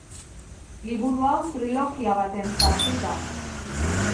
Liburu hau trilogia baten zati da.